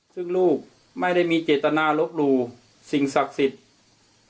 ซึ่งลูกไม่ได้มีเจตนาลบหลู่สิ่งศักดิ์สิทธิ์